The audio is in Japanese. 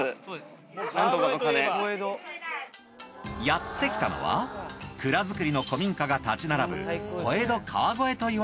やって来たのは蔵造りの古民家が立ち並ぶ